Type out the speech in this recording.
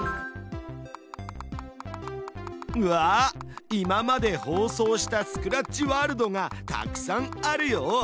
うわ今まで放送したスクラッチワールドがたくさんあるよ。